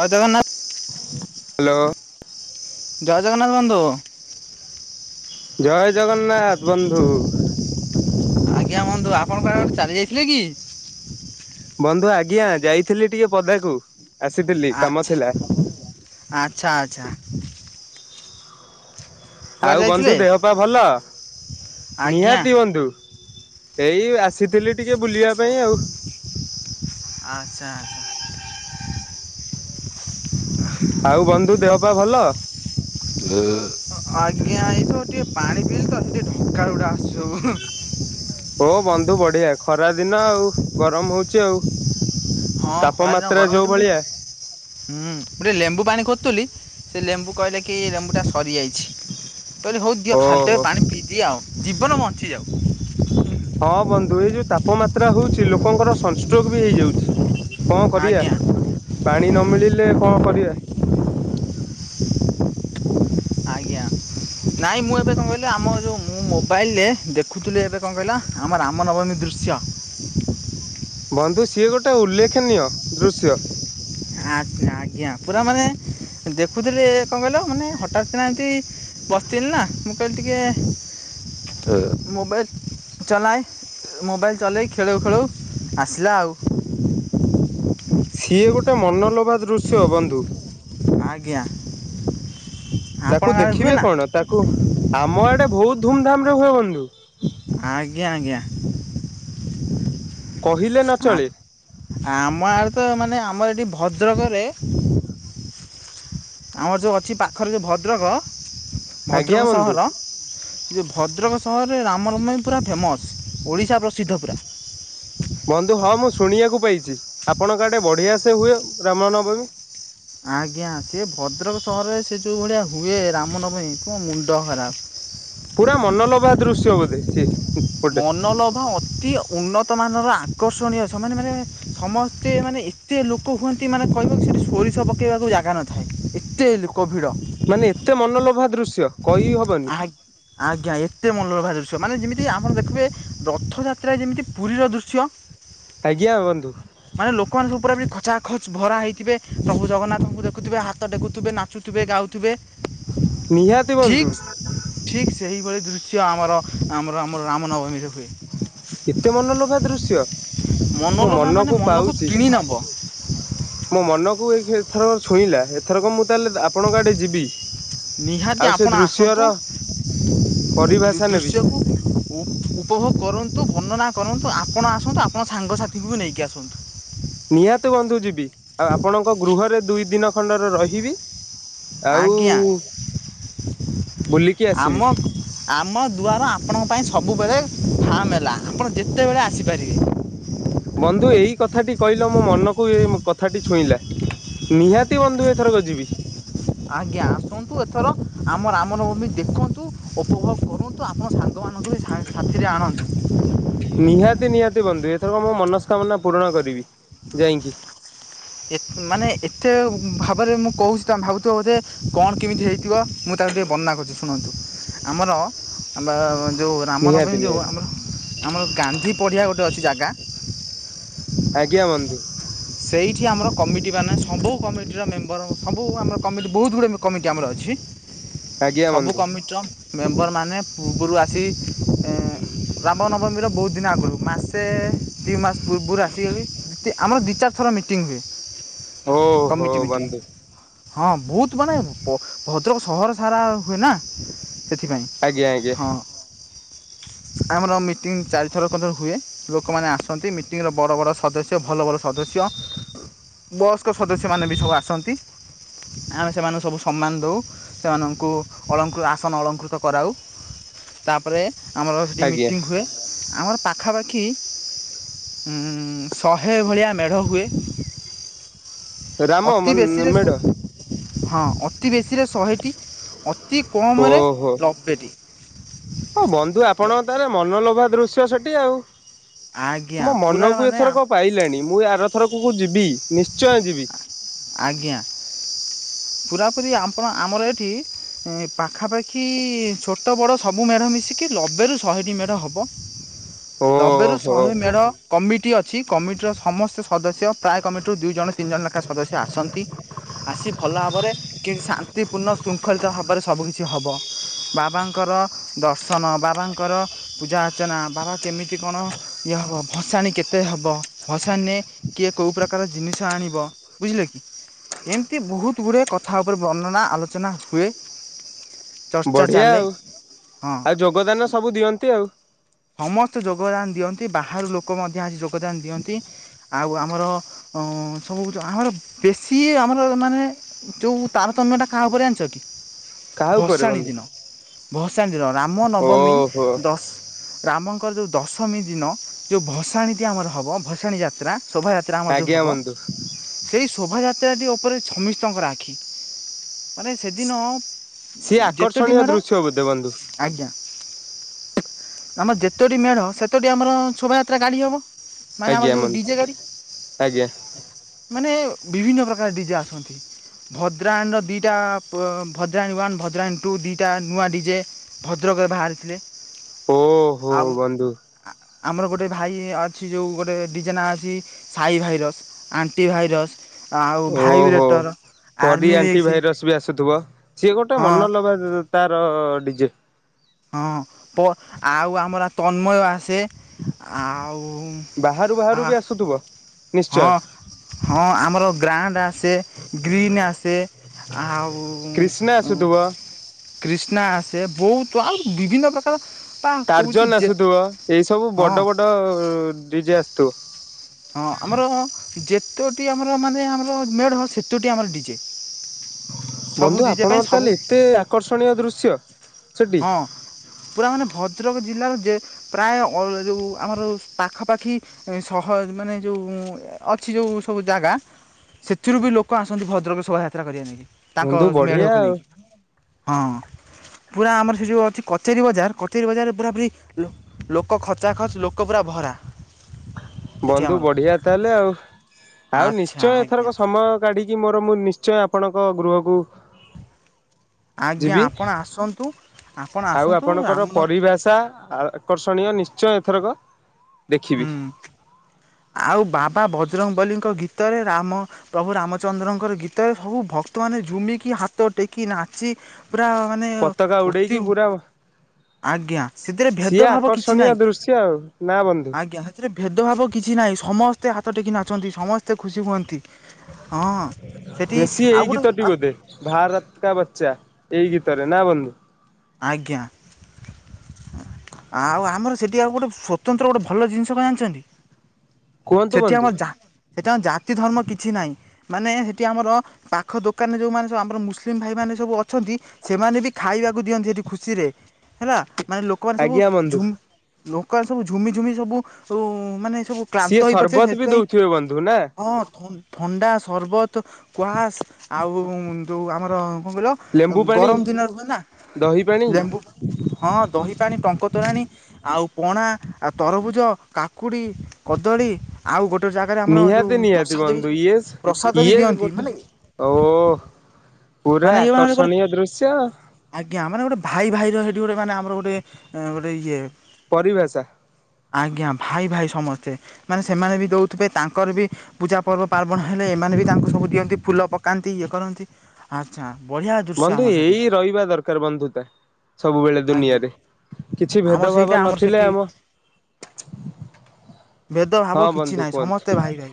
ଜୟ Jagannath. Hello. ଜୟ ଜଗନ୍ନାଥ ବନ୍ଧୁ। ଜୟ ଜଗନ୍ନାଥ ବନ୍ଧୁ। ଆଜ୍ଞା ବନ୍ଧୁ, ଆପଣ କୁଆଡ଼େ ଗୋଟେ ଚାଲି ଯାଇଥିଲେ କି? ବନ୍ଧୁ ଆଜ୍ଞା ଯାଇଥିଲି ଟିକେ ପଦାକୁ। ଆସିଥିଲି କାମ ଆଚ୍ଛା, ଥିଲା। ଆଚ୍ଛା ଆଚ୍ଛା। କୁଆଡେ ଆଉ ବନ୍ଧୁ ଯାଇଥିଲେ ଦେହପା ଭଲ? ଆଜ୍ଞା ନିହାତି ବନ୍ଧୁ। ଏଇ ଆସିଥିଲି ଟିକେ ବୁଲିବା ପାଇଁ ଆଉ। ଆଚ୍ଛା ଆଚ୍ଛା। ଁ [inaudible] ଆଉ ବନ୍ଧୁ ଦେହପା ଭଲ? ଆଜ୍ଞା ଏଇ ତ ଟିକେ ପାଣି ପିଇଲି ତ ଟିକେ ଢକା ଗୁଡା ଆସୁଚି ସବୁ। ଓ ବନ୍ଧୁ ବଢିଆ ଖରା ଦିନ ଆଉ, ଗରମ ହଉଛି ଆଉ। ତାପମାତ୍ରା ଯୋଉ ଭଳିଆ ହୁଁ ମୁଁ ଟିକେ ଲେମ୍ବୁ ପାଣି ଖୋୁଥିଲି ସେ ଲେମ୍ବୁ କହିଲେ କି ଲେମ୍ବୁଟା ସରିଯାଇଛି। କହିଲି ହଉ ଦିଅ ଖାଲଟେ ଓହୋ ପାଣି ପିଇଦିଏ ଆଉ ଜୀବନ ବଞ୍ଚିଯାଉ। ହଁ ବନ୍ଧୁ ଏଇ ଯୋଉ ତାପମାତ୍ରା ହଉଛି ଲୋକଙ୍କର ସନ୍ ଷ୍ଟ୍ରୋକ୍ ବି ହେଇଯାଉଛି। କଣ କରିବା ଆଜ୍ଞା ପାଣି ନ ମିିଳିଲେ କଣ କରିବା। ଆଜ୍ଞା। ନାଇଁ ମୁଁ ଏବେ କଣ କହିଲେ ଆମ ଯୋଉ ମୁଁ ମୋବାଇଲରେ ଦେଖୁଥିଲି ଏବେ କଣ କହିଲ ଆମ ରାମ ନବମୀ ଦୃଶ୍ୟ। ବନ୍ଧୁ ସିଏ ଗୋଟେ ଉଲ୍ଲେଖନୀୟ ଦୃଶ୍ୟ। ହ ଆଜ୍ଞା ଆଜ୍ଞା, ପୁରା ମାନେ ଦେଖୁଥିଲେ କଣ କହିଲ ମାନେ ହଠାତକିନା ଏମିତି ବସିଥିଲି ନା, ମୁଁ କହିଲି ଟିକେ ମୋବାଇଲ ଚଲାଏ। ମୋବାଇଲ୍ ଚଲେଇ ଖେଳଉ ଖେଳଉ ଆସିଲା ଆଉ। ଁ ସିଏ ଗୋଟେ ମନଲୋଭା ଦୃଶ୍ୟ ବନ୍ଧୁ। ଆଜ୍ଞା। ତାକୁ ଆପଣଙ୍କ ଆଡ଼େ ହୁଏ ଦେଖିବେ ନା କଣ, ତାକୁ ଆମ ଆଡେ ବହୁତ ଧୁମଧାମରେ ହୁଏ ବନ୍ଧୁ। ଆଜ୍ଞା ଆଜ୍ଞା। କହିଲେ ନ ଚଳେ। ଆମଆଡେ ତ ମାନେ ଆମର ଏଠି ଭଦ୍ରକରେ ଆମର ଯୋଉ ଅଛି ପାଖରେ ଯୋଉ ଭଦ୍ରକ, ଆଜ୍ଞା ଭଦ୍ରକ ବନ୍ଧୁ। ସହର ସେ ଯୋଉ ଭଦ୍ରକ ସହରରେ ରାମନବମୀ ପୁରା ଫେମସ୍ ଓଡ଼ିଶା ପ୍ରସିଦ୍ଧ ପୁରା। ବନ୍ଧୁ ହଁ ମୁଁ ଶୁଣିବାକୁ ପାଇଛି ଆପଣଙ୍କ ଆଡେ ବଢ଼ିଆ ସେ ହୁଏ ରାମନବମୀ। ଆଜ୍ଞା ସେ ଭଦ୍ରକ ସହରରେ ସେ ଯୋଉ ଭଳିଆ ହୁଏ ରାମନବମୀ ତୋ ମୁଣ୍ଡଖରାପ। ପୁରା ମନଲୋଭା ଦୃଶ୍ୟ ବୋଧେ ସିଏ ଗୋଟେ ମନୋଲୋଭା ଅତିୟ ଉନ୍ନତମାନର ଆକର୍ଷଣୀୟ ସେମାନେ ମାନେ ସମସ୍ତେ ମାନେ ଏତେ ଲୋକ ହୁଅନ୍ତି। ଏତେ ମାନେ କହିବ କି ସେଠି ସୋରିଷ ପକାଇବାକୁ ଜାଗା ନଥାଏ ଏତେ ଲୋକ ଭିଡ଼ ମାନେ ଏତେ ମନଲୋଭା ଦୃଶ୍ୟ କହି ହବନି? ଆ ଆଜ୍ଞା ଏତେ ମନଲୋଭା ଦୃଶ୍ୟ ମାନେ ଯେମିତି ଆମର ଦେଖିବେ ରଥଯାତ୍ରା ଯେମିତି ପୁରୀର ଦୃଶ୍ୟ ଆଜ୍ଞା ବନ୍ଧୁ। ମାନେ ଲୋକମାନଙ୍କ ପୁରା ବି ଖଚାଖଚ ଭରା ହେଇଥିବେ ପ୍ରଭୁ ଜଗନ୍ନାଥଙ୍କୁ ଦେଖୁଥିବେ ହାତ ଟେକୁଥିବେ ନା ନାଚୁଥିବେ ଗାଉଥିବେ। ନିହାତି ବନ୍ଧୁ। ଠିକ୍ ଠିକ୍ ସେହିଭଳି ଦୃଶ୍ୟ ଆମର ଆମର ଆମର ରାମନବମୀରେ ହୁଏ। ଏତେ ମନଲୋଭା ଦୃଶ୍ୟ ମୋ ମନଲୋଭା ମାନେ ମନକୁ ପାଉଛି। କିଣି ନେବ ମୋ ମନକୁ ଏଥରକ ଛୁଇଁଲା ଏଥରକ ମୁଁ ତାହେଲେ ଆପଣଙ୍କ ଆଡେ ଯିବି? ନିହାତି ଆଉ ସେ ଆପଣ ଦୃଶ୍ୟର ଆସନ୍ତୁ ପରିଭାଷା ନେବି। ଦୃଶ୍ୟକୁ ଉପଭୋଗ କରନ୍ତୁ ବର୍ଣ୍ଣନା କରନ୍ତୁ ଆପଣ ଆସନ୍ତୁ ଆପଣ ସାଙ୍ଗସାଥିଙ୍କୁ ବି ନେଇକି ଆସନ୍ତୁ? ନିହାତି ବନ୍ଧୁ ଯିବି ଆଉ ଆପଣଙ୍କ ଗୃହରେ ଦୁଇ ଦିନ ଖଣ୍ଡର ରହିବି। ଆଉ ଆଜ୍ଞା ବୁଲିକି ଆମ ଆସିବି। ଆମ ଦୁଆର ଆପଣଙ୍କ ପାଇଁ ସବୁବେଳେ ଫାଆଁ ମେଲା ଆପଣ ଯେତେବେଳେ ଆସିପାରିବେ। ବନ୍ଧୁ ଏଇ କଥାଟି କହିଲ ମୋ ମନକୁ ଏ କଥାଟି ଛୁଇଁଲା। ନିହାତି ବନ୍ଧୁ ଏଥରକ ଯିବି। ଆଜ୍ଞା ଆସନ୍ତୁ ଏଥର ଆମ ରାମନବମୀ ଦେଖନ୍ତୁ ଉପଭୋଗ କରନ୍ତୁ ଆପଣ ସା ସାଙ୍ଗମାନଙ୍କୁ ବି ସାଥିରେ ଆଣନ୍ତୁ। ନିହାତି ନିହାତି ବନ୍ଧୁ ଏଥରକ ମୋ ମନସ୍କାମନା ପୂରଣ କରିବି ଯାଇକି। ଏତେ ମାନେ ଏତେ ଭାବରେ ମୁଁ କହୁଛି ତମେ ଭାବୁଥିବ ବୋଧେ କଣ କେମିତି ହେଇଥିବ? ମୁଁ ତାକୁ ଟିକେ ବର୍ଣ୍ଣନା କରୁଛି ଶୁଣନ୍ତୁ ଆମର ଆ ଯୋଉ ରାମନବମୀ ନିହାତି ଯୋଉ ନିହାତି ଆମର ଆମର ଗାନ୍ଧି ପଡ଼ିଆ ଗୋଟେ ଅଛି ଜାଗା ଆଜ୍ଞା ବନ୍ଧୁ। ସେଇଠି ଆମର କମିଟିମାନେ ସବୁ କମିଟିର ମେମ୍ବର ସବୁ ଆମର କମିଟି ବହୁତ ଗୁଡ଼ିଏ କମିଟି ଆମର ଅଛି। ଆଜ୍ଞା ସବୁ ବନ୍ଧୁ। କମିଟିର ମେମ୍ବର ମାନେ ପୂର୍ବରୁ ଆସି ଏଁ ରାମ ନବମିର ବହୁତ ଦିନ ଆଗରୁ ମାସେ ଦି ମାସ ପୂର୍ବରୁ ଆସିବେ ବି ଆମର ଦିଇ ଚାରି ଥର ମିଟିଂ ହୁଏ ଓହୋ କମିଟି ମିଟିଂ। ବନ୍ଧୁ ହଁ ବହୁତ ମାନେ ଭଦ୍ରକ ସହର ସାରା ହୁଏନା ସେଥିପାଇଁ। ଆଜ୍ଞା ଆଜ୍ଞା ହଁ ଆମର ମିଟିଂ ଚାରିଥରକ ଧର ହୁଏ। ଲୋକମାନେ ଆସନ୍ତି ମିଟିଂର ବଡ଼ ବଡ଼ ସଦସ୍ୟ ଭଲ ଭଲ ସଦସ୍ୟ ବୟସ୍କ ସଦସ୍ୟମାନେ ବି ସବୁ ଆସନ୍ତି। ଆମେ ସେମାନେ ସବୁ ସମ୍ମାନ ଦଉ। ସେମାନଙ୍କୁ ଅଳଙ୍କୃ ଆସନ ଅଳଙ୍କୃତ କରାଉ। ତାପରେ ଆମର ସେଠି ଆଜ୍ଞା ମିଟିଙ୍ଗ ହୁଏ। ଆମର ପାଖାପାଖି ଉଁ ଶହେ ଭଳିଆ ମେଢ଼ ହୁଏ। ରାମ ଅତି ବେଶୀରେ ମେଢ ହଁ ଅତି ବେଶୀରେ ଶହେଟି, ଅତି କମ୍ ରେ ଓହୋ। ଲବେଟି। ହଁ ବନ୍ଧୁ ଆପଣଙ୍କ ତାହାଲେ ମନଲୋଭା ଦୃଶ୍ୟ ସେଠି ଆଉ। ଆଜ୍ଞା ମୋ ପୁରା ମନକୁ ମାନେ ଏଥରକ ପାଇଲାଣି ମୁଁ ଆରଥରକ କୁ ଯିବି ନିଶ୍ଚୟ ଯିବି। ଆଜ୍ଞା ପୁରାପୁରି ଆପଣ ଆମର ଏଠି ପାଖାପାଖି ଛୋଟ ବଡ଼ ସବୁ ମେଢ଼ ମିଶିକି ଲବେରୁ ଶହେଟି ମେଢ଼ ହବ। ଲବେରୁ ଓହୋ ଶହେ ମେଢ଼ କମିଟି ଅଛି କମିଟିର ସମସ୍ତ ସଦସ୍ୟ ପ୍ରାୟ କମିଟିରୁ ଦୁଇ ଜଣ ତିନି ଜଣ ଲା ସଦସ୍ୟ ଆସନ୍ତି ଆସି ଭଲ ଭାବରେ କି ଶାନ୍ତିପୂର୍ଣ୍ଣ ଶୃଙ୍ଖଳିତ ଭାବରେ ସବୁ କିିଛି କିଛି ହବ ବାବାଙ୍କର ଦର୍ଶନ ବାବାଙ୍କର ପୂଜା ଅର୍ଚ୍ଚନା ବାବା କେମିତି କଣ ଇଏ ହବ, ଭସାଣି କେତେ ହେବ ଭସାଣି ରେ କିଏ କୋଉ ପ୍ରକାର ଜିନିଷ ଆଣିବ ବୁଝିଲେ କି? ଏମିତି ବହୁତ ଗୁଡ଼ିଏ କଥା ଉପରେ ବର୍ଣ୍ଣନା ଆଲୋଚନା ହୁଏ। ଚର୍ଚ୍ଚା ବଢିଆ ଚାଲେ ଆଉ ହଁ ଆଉ ଯୋଗଦାନ ସବୁ ଦିଅନ୍ତି ଆଉ। ସମସ୍ତେ ଯୋଗଦାନ ଦିଅନ୍ତି, ବାହାରୁ ଲୋକ ମଧ୍ୟ ଆସି ଯୋଗଦାନ ଦିଅନ୍ତି। ଆଉ ଆମର ଅଁ ସବୁ ଯଉ ଆମର ବେଶୀ ଆମର ମାନେ ଯଉ ତାରତମ୍ୟଟା କାହା ଉପରେ ଜାଣିଛ କି? କାହା ଉପରେ ଭସାଣି ବନ୍ଧୁ? ଦିନ ଭସାଣି ଦିନ ରାମନବମୀ ଓହୋ ଦଶ ରାମଙ୍କର ଯୋଉ ଦଶମୀ ଦିନ ଯୋଉ ଭସାଣୀଟି ଆମର ହବ ଭସାଣୀ ଯାତ୍ରା ଶୋଭାଯା ତ୍ରା ମଧ୍ୟ ଆଜ୍ଞା ହବ ବନ୍ଧୁ ସେଇ ଶୋଭାଯାତ୍ରାଟି ଓପରେ ସମସ୍ତଙ୍କର ଆଖି। ମାନେ ସେଦିନ ସିଏ ଯେତୋଟି ଆକର୍ଷଣୀୟ ମେଢ ଦୃଶ୍ୟ ବୋଧେ ବନ୍ଧୁ। ଆଜ୍ଞା ଆମର ଯେତୋଟି ମେଢ଼ ସେତୋଟି ଆମର ଶୋଭାଯାତ୍ରା ଗାଡ଼ି ହବ। ମାନେ ଆମର ଆଜ୍ଞା ଯୋଉ ଡିଜେ ବନ୍ଧୁ, ଗାଡ଼ି ଆଜ୍ଞା। ମାନେ ବିଭିନ୍ନ ପ୍ରକାର ଡିଜେ ଆସନ୍ତି। ଭଦ୍ରାଣୀର ଦିଇଟା ବ ଭଦ୍ରାଣୀ ୱାନ୍ ଭଦ୍ରାଣୀ ଟୁ ଦିଇଟା ନୂଆ ଡିଜେ ଭଦ୍ରକରେ ବାହାରିଥିଲେ ଓହୋ ଆଉ ବନ୍ଧୁ ଆମର ଗୋଟେ ଭାଇ ଅଛି ଯୋଉ ଗୋଟେ ଡିଜେ ନାଁ ଅଛି ସାଇ ଭାଇରସ୍ ଆଣ୍ଟିଭାଇରସ୍ ଆଉ ଓହୋ। ଭାଇବ୍ରେଟର୍। ପରି ଆର୍ମି ଆଣ୍ଟି ମିକ୍ସ ଭାଇରସ ବି ଆସୁଥିବ ସିଏ ଗୋଟେ ହଁ ମନଲୋଭା ତାର ଡିଜେ। ହଁ ପ ଆଉ ଆମର ତନ୍ମୟ ଆସେ। ଆଉ ଆ ସୁଥୁବ। ହଁ ହଁ ଆମର ଗ୍ରାଣ୍ଡ୍ ଆସେ। ଗ୍ରୀନ୍ ଆସେ ଆଉ କ୍ରିଷ୍ଣା ଉଁ ଆସୁଥିବ। କ୍ରିଷ୍ଣା ଆସେ ବହୁତ ତ ଆଉ ବିଭିନ୍ନ ପ୍ରକାର ପା କହୁଛି ଯେ ହଁ ତ ଡିଜେ ଆସୁଥୁବ। ହଁ ଆମର ଯେତୋଟି ଆମର ମାନେ ଆମର ମେଢ ସେତୋଟି ଆମର ଡିଜେ। ସବୁ ବନ୍ଧୁ ଡିଜେ ପାଇଁ ଆପଣଙ୍କର ସବୁ ତାହେଲେ ଏତେ ଆକର୍ଷଣୀୟ ଦୃଶ୍ୟ। ସେଠି ହଁ ପୁରା ମାନେ ଭଦ୍ରକ ଜିଲ୍ଲାରୁ ଯେ ପ୍ରାୟ ଅ ଯୋଉ ଆମର ଜଉ ପାଖାପାଖି ସହ ମାନେ ଯୋଉ ଅଛି ଯଉ ସବୁ ଜାଗା ସେଥିରୁ ବି ଲୋକ ଆସନ୍ତି ଭଦ୍ରକ ଶୋଭାଯାତ୍ରା କରିବା ନେଇକି। ତାଙ୍କ ବନ୍ଧୁ ବଢିଆ ମେଢକୁ ଆଉ ନେଇକି ହଁ। ପୁରା ଆମର ସେ ଯଉ ଅଛି କଚେରୀ ବଜାର କଚେରୀ ବଜାରରେ ପୁରା ପୁରି ଲୋ ଲୋକ ଖଚା ଖଚ୍ ଲୋକ ପୁରା ଭରା। ସେଠି ବନ୍ଧୁ ଆମର ବଢିଆ ତାହେଲେ ଆଉ। ଆଉ ଆଚ୍ଛା ନିଶ୍ଚୟ ଆଜ୍ଞା ଏଥରକ ସମୟ କାଢିକି ମୋର ମୁଁ ନିଶ୍ଚୟ ଆପଣଙ୍କ ଗୃହକୁ ଆଜ୍ଞା ଯିବି ଆପଣ ଆସନ୍ତୁ ଆପଣ ଆଉ ଆସନ୍ତୁ ଆପଣଙ୍କର ଆମର ପରିଭାଷା ଆକର୍ଷଣୀୟ ନିଶ୍ଚୟ ଏଥରକ ଦେଖିବି। ହୁଁ ଆଉ ବାବା ବଜରଙ୍ଗ ବଲିଙ୍କ ଗୀତରେ ରାମ ପ୍ରଭୁ ରାମଚନ୍ଦ୍ରଙ୍କର ଗୀତରେ ସବୁ ଭକ୍ତ ମାନେ ଝୁମିକି ହାତ ଟେକି ନାଚି ପୁରା ମାନେ ପତାକା ଉଡେଇକି ଉତିଉ ପୁରା ଆଜ୍ଞା ସେଥିରେ ସିଏ ଭେଦଭାବ କିଛି ଆକର୍ଷଣୀୟ ନାହିଁ ଦୃଶ୍ୟ ଆଉ ନା ବନ୍ଧୁ ଆଜ୍ଞା। ସେଥିରେ ଭେଦଭାବ କିଛି ନାହିଁ। ସମସ୍ତେ ହାତ ଟେକି ନାଚନ୍ତି ସମସ୍ତେ ଖୁସି ହୁଅନ୍ତି। ହଁ ସେଠି ଆଉ ଗୋଟେ ଆଉ ଭାରତକା ବଚ୍ଚା ଏଇ ଗୀତରେ ନା ବନ୍ଧୁ? ଆଜ୍ଞା। ଆଉ ଆମର ସେଇଠି ଆଉ ଗୋଟେ ସ୍ୱତନ୍ତ୍ର ଗୋଟେ ଭଲ ଜିନିଷ କଣ ଯାଣିଛନ୍ତି? କୁହନ୍ତୁ ସେଠି ବନ୍ଧୁ ଆମର ଜା ସେଠି ଆମ ଜାତି ଧର୍ମ କିଛି ନାହିଁ। ମାନେ ହେଠି ଆମର ପାଖ ଦୋକାନରେ ଯୋଉମାନେ ସବୁ ଆମର ମୁସଲିମ ଭାଇ ମାନ ସବୁ ଅଛନ୍ତି ସେମାନେ ବି ଖାଇବାକୁ ଦିଅନ୍ତି ସେଠି ଖୁସିରେ ହେଲା ମାନେ ଲୋ ଲୋକମାନେ ସବୁ ଆଜ୍ଞା ବନ୍ଧୁ ଝୁ ଲୋକମାନେ ସବୁ ଝୁମି ଝୁମି ସବୁ ମାନେ ସବୁ ସିଏ କ୍ଳାନ୍ତ ହେଇପଡିଥିବେ ସରବତ ବି ସେଇଥିପାଇଁ ଦଉଥିବେ ବନ୍ଧୁ ନା ହଁ ଥ ଥଣ୍ଡା ସରବତ କ୍ୱାସ୍ ଆଉ ଯେଉଁ ଆମର କଣ ଲେମ୍ବୁ କହିଲ ପାଣି ଗରମ ଦିନ ରୁହେନା ଦହି ପାଣି ଲେମ୍ଵୁ ହଁ ଦହି ପାଣି ଟଙ୍କ ତୋରାଣି ଆଉ ପଣା ଆଉ ତରଭୁଜ କାକୁଡ଼ି କଦଳୀ ଆଉ ଗୋଟେ ଜାଗାରେ ଆମର ଯୋଉ ନିହାତି ନିହାତି ପ୍ରସାଦ ବି ବନ୍ଧୁ ଇଏ ପ୍ରସାଦ ବି ଇଏ ଦିଅନ୍ତି ଗୋଟେ ମାନେ ଓ ପୁରା ମାନେ ଇଏ ମାନେ ଗୋଟେ ଆକର୍ଷଣୀୟ ଦୃଶ୍ୟ। ଆଜ୍ଞା ମାନେ ଗୋଟେ ଭାଇ ଭାଇ ର ସେଠି ଗୋଟେ ମାନେ ଆମର ଗୋଟେ ଗୋଟେ ଇଏ ପରିଭାଷା ଆଜ୍ଞା ଭାଇ ଭାଇ ସମସ୍ତେ। ମାନେ ସେମାନେ ବି ଦଉଥିବେ ତାଙ୍କର ବି ପୂଜା ପର୍ବ ପାର୍ବଣ ହେଲେ ଏମାନେ ବି ତାଙ୍କୁ ସବୁ ଦିଅନ୍ତି ଫୁଲ ପକାନ୍ତି ଇଏ କରନ୍ତି। ଆଚ୍ଛା ବଢ଼ିଆ ଦୃଶ୍ୟ ବନ୍ଧୁ ଆମର ସେଠି ଏଇ ରହିବା ଦରକାର ବନ୍ଧୁତା। ସବୁବେଳେ ଆଜ୍ଞା ଦୁନିଆରେ କିଛି ଆମର ସେଇଟା ଭେଦଭାବ ଆମର ନଥିଲେ ସେଠି ଆମ ଭେଦ ଭାବ ହଁ କିଛି ବନ୍ଧୁ ନାହିଁ କୁହନ୍ତୁ ସମସ୍ତେ ଭାଇ ଭାଇ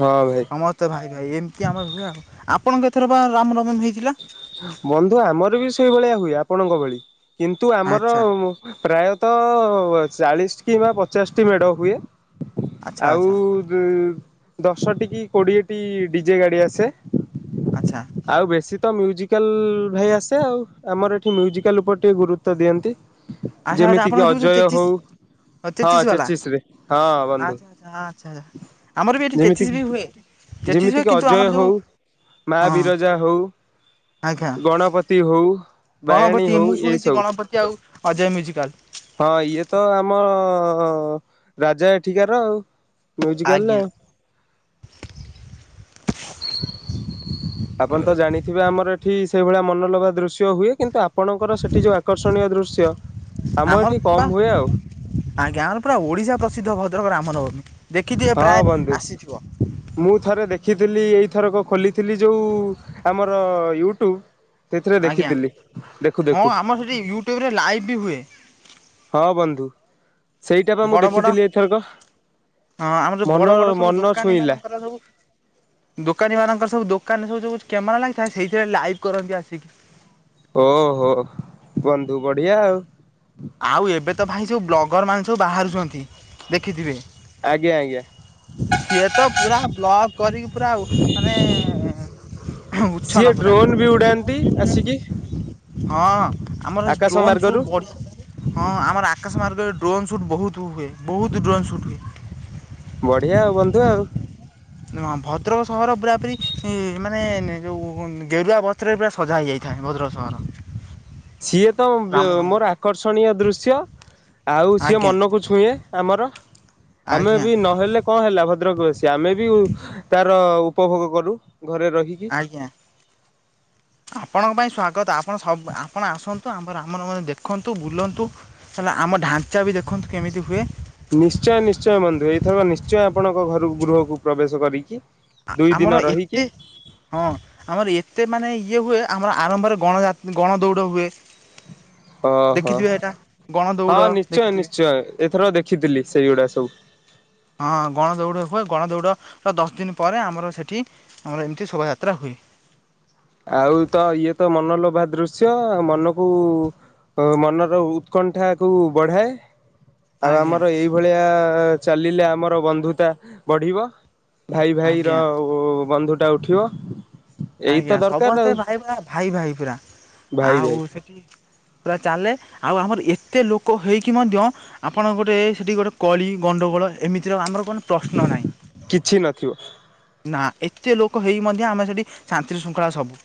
ହଁ ଭାଇ ତ ଭାଇ ଭାଇ ଏମିତି ଆମର ହୁଏ ଆଉ। ଆପଣଙ୍କ ଏଥର ବା ରାମ ନବମୀ ହେଇଥିଲା ବନ୍ଧୁ ଆମର ବି ସେଇଭଳିଆ ହୁଏ ଆପଣଙ୍କ ଭଳି। କିନ୍ତୁ ଆମର ଆଚ୍ଛା ପ୍ରାୟତଃ ତ ଚାଳିଶ କିମ୍ବା ପଚାଶଟି ମେଡ଼ ହୁଏ। ଆଚ୍ଛା ଆଉ ଆଚ୍ଛା ଦଶଟି କି କୋଡ଼ିଏଟି ଡି ଜେ ଗାଡ଼ି ଆସେ। ଆଚ୍ଛା। ଆଉ ବେଶୀ ତ ମ୍ୟୁଜିକାଲ ଭାଇ ଆସେ ଆଉ ଆମର ଏଠି ମ୍ୟୁଜିକାଲ ଉପରେ ଟିକେ ଗୁରୁତ୍ଵ ଦିଅନ୍ତି। ଆଚ୍ଛା ଆଚ୍ଛା ଯେମିତି କିି ଆପଣଙ୍କ ଯୋଉ ଅଜୟ ଚେଚିସ୍ ହଉ ହଁ ଚେଚିସ୍ ବାଲା ଚେଚିସରେ ହଁ ବନ୍ଧୁ। ଆଚ୍ଛା ଆଚ୍ଛା ଆଚ୍ଛା ଆଚ୍ଛା ଆମର ବି ଏଠି ଚେଚିଶ୍ ବି ହୁଏ। ଚେଚିସ୍ ହୁଏ ଯେମିତିକି କିନ୍ତୁ ଅଜୟ ଆମର ଯୋଉ ହଉ ମା ହଁ ବିରଜା ହଉ ଆଜ୍ଞା। ଗଣପତି ହଉ ବାୟାଣୀ ଗଣପତି ହଉ ମୁଁ ଏଇ ଶୁଣିଛି ସବୁ ଗଣପତି ଆଉ ଅଜୟ ମ୍ୟୁଜିକାଲ୍। ହଁ ଇଏ ତ ଆମ ରାଜା ଏଠିକାର ମ୍ୟୁଜିକାଲ୍ ର। [inaudible] ଆପଣ ତ ଜାଣିଥିବେ ଆମର ଏଠି ସେଇଭଳିଆ ମନଲୋଭା ଦୃ ଦୃଶ୍ୟ ହୁଏ କିନ୍ତୁ ଆପଣଙ୍କର ସେଠି ଯୋଉ ଆକର୍ଷଣୀୟ ଦୃଶ୍ୟ ଆମ ଆମର ଏଠି ପା କମ୍ ହୁଏ ଆଉ। ଆଜ୍ଞା ଆମର ପୁରା ଓଡ଼ିଶା ପ୍ରସିଦ୍ଧ ଭଦ୍ରକ ରାମନବମୀ। ଦେଖିଥିବେ ହଁ ପ୍ରାୟ ବନ୍ଧୁ ଆସିଥିବ ମୁଁ ଥରେ ଦେଖିଥିଲି ଏଇଥରକ ଖୋଲିଥିଲି ଯୋଉ ଆମର ୟୁଟ୍ୟୁବ୍। ଆଜ୍ଞା ଦେଖୁ ହଁ ଆମର ସେଠି ୟୁଟ୍ୟୁବ୍ ରେ ଲାଇଭ୍ ବି ହୁଏ। ହଁ ବନ୍ଧୁ ସେଇଟା ପା ମୁଁ ବଡ଼ ବଡ଼ ଦେଖିଥିଲି ଏଥରକ। ହଁ ଆମର ଯୋଉ ମନ ବଡ଼ ବଡ଼ ସବୁ ମନ ଦୋକାନୀ ଛୁଇଁଲା ମାନଙ୍କର ସବୁ ଦୋକାନୀ ମାନଙ୍କର ସବୁ ଦୋକାନରେ ସବୁ ଯୋଉ କ୍ୟାମେରା ଲାଗିଥାଏ ସେଇଥିରେ ଲାଇଭ୍ କରନ୍ତି ଆସିକି। ଓହୋ ବନ୍ଧୁ ବଢ଼ିଆ ଆଉ। ଆଉ ଏବେ ତ ଭାଇ ସବୁ ବ୍ଲଗର ମାନେ ସବୁ ବାହାରୁଛନ୍ତି ଦେଖିଥିବେ। ଆଜ୍ଞା ଆଜ୍ଞା। ସିଏ ତ ପୁରା ବ୍ଲଗ୍ କରିକି ପୁରା ମାନେ [unintelligible] ଡ୍ରୋନ୍ ବି ଉଡ଼ାନ୍ତି। ଆସିକି। ହଁ ଆମର ଆକାଶ ଡ୍ରୋନ୍ ମାର୍ଗରୁ ସୁଟ୍ ବଢି଼ ହଁ ଆମର ଆକାଶ ମାର୍ଗରେ ଡ୍ରୋନ୍ ସୁଟ୍ ବହୁତ୍ ହୁଏ ବହୁତ୍ ଡ୍ରୋନ୍ ସୁଟ୍ ହୁଏ। ବଢ଼ିଆ ଆଉ ବନ୍ଧୁ ଆଉ। ଭଦ୍ରକ ସହର ପୁରା ପୁରି ମାନେ ଯୋଉ ଗେରୁଆ ବସ୍ତ୍ରରେ ପୁରା ସଜା ହେଇଯାଇଥାଏ ଭଦ୍ରକ ସହର। ସିଏ ତ ବେ ରାମ ରାମ ମୋର ଆକର୍ଷଣୀୟ ଦୃଶ୍ୟ। ଆଉ ସିଏ ଆଜ୍ଞା ମନକୁ ଛୁଏଁ ଆମର ଆମେ ଆଜ୍ଞା ବି ନହେଲେ କଣ ହେଲା ଭଦ୍ରକ ବାସୀ ଆମେ ବି ତାର ଉପଭୋଗ କରୁ ଘରେ ରହିକି। ଆଜ୍ଞା ଆପଣଙ୍କ ପାଇଁ ସ୍ୱାଗତ ଆପଣ ସବୁ ଆପଣ ଆସନ୍ତୁ ଆ ଆମର ଆମର ମାନେ ଦେଖନ୍ତୁ ବୁଲନ୍ତୁ ହେଲା ଆମ ଢା଼ଞ୍ଚା ବି ଦେଖନ୍ତୁ କେମିତି ହୁଏ। ନିଶ୍ଚୟ ନିଶ୍ଚୟ ବନ୍ଧୁ ଏଇଥର ନିଶ୍ଚୟ ଆପଣଙ୍କ ଘରୁ ଗୃହକୁ ପ୍ରବେଶ କରିକି ଦୁଇ ଆମର ଦିନ ଏତେ ରହିକି ହଁ ଆମର ଏତେ ମାନେ ଇଏ ହୁଏ ଆମର ଆରମ୍ଭରେ ଗଣ ଯା ଗଣ ଦୌଡ଼ ହୁଏ। ଓ ହୋ ଦେଖିଥିବେ ଏଇଟା ଗଣ ଦୌଡ଼ ହଁ ନିଶ୍ଚୟ ଦେଖିଥିବେ ନିଶ୍ଚୟ। ଏଥର ଦେଖିଥିଲି ସେଇଗୁଡା଼ ସବୁ। ହଁ ଗଣଦୌଡ଼ ହୁଏ ଗଣଦୌଡ଼ର ଦଶ ଦିନ ପରେ ଆମର ସେଠି ଆମର ଏମିତି ଶୋଭାଯାତ୍ରା ହୁଏ। ଆଉ ତ ଇଏ ତ ମନଲୋଭା ଦୃଶ୍ୟ ମନକୁ ମନର ଉତ୍କଣ୍ଠା କୁ ବଢ଼ାଏ। ଆଉ ଆଜ୍ଞା ଆମର ଏଇଭଳିଆ ଚାଲିଲେ ଆମର ବନ୍ଧୁତା ବଢ଼ିବ। ଭାଇ ଭାଇ ର ଆଜ୍ଞା ଓ ବନ୍ଧୁ ଟା ଉଠିବ ଏଇ ଆଜ୍ଞା ତ ଦର ସମସ୍ତେ ଭାଇ ପା ଭାଇ ଭାଇ ପୁରା ଭାଇ ଭାଇ ଆଉ ପୁରା ଚାଲେ ଆଉ ଆମର ଏତେ ଲୋକ ହେଇକି ମଧ୍ୟ ଆପଣ ଗୋଟେ ସେଠି ଗୋଟେ କଳି ଗଣ୍ଡଗୋଳ ଏମିତିର ଆମର [unintelligible] ପ୍ରଶ୍ନ ନାହିଁ କିଛି ନଥିବ। ନା ଏତେ ଲୋକ ହେଇ ମଧ୍ୟ ଆମେ ସେଠି ଶାନ୍ତି ଶୃଙ୍ଖଳା ସବୁ।